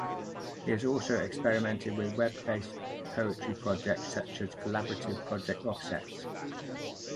He has also experimented with web-based poetry projects such as the collaborative project "OffSets".